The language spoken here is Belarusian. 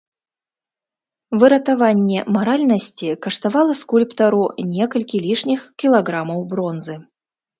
Выратаванне маральнасці каштавала скульптару некалькі лішніх кілаграмаў бронзы.